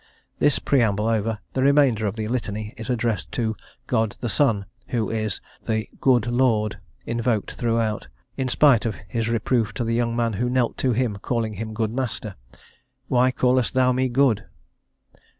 This preamble over, the remainder of the Litany is addressed to "God the Son," who is the "Good Lord" invoked throughout, in spite of His reproof to the young man who knelt to Him, calling Him "Good Master;" "why callest thou Me good?"